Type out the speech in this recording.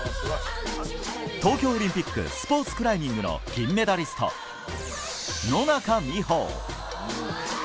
東京オリンピックスポーツクライミングの銀メダリスト、野中生萌。